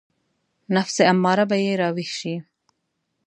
نفس اماره به يې راويښ شي.